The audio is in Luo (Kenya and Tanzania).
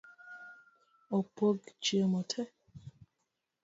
Opog chiemo tee.